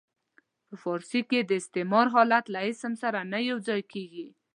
په فارسي کې د استمرار حالت له اسم سره نه یو ځای کیږي.